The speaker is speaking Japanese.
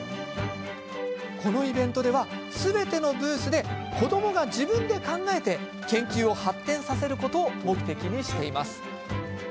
このイベントではすべてのブースで子どもが自分で考えて研究を発展させることを目的にしています。